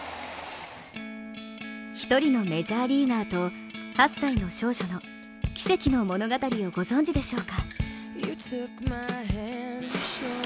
１人のメジャーリーガーと８歳の少女の奇跡の物語をご存知でしょうか？